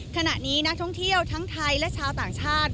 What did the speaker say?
ขณะนี้นักท่องเที่ยวทั้งไทยและชาวต่างชาติ